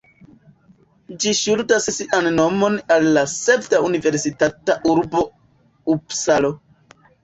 Ĝi ŝuldas sian nomon al la sveda universitata urbo Upsalo.